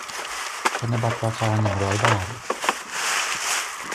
ธนบัตรราคาหนึ่งร้อยบาท